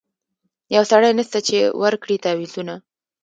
یو سړی نسته چي ورکړي تعویذونه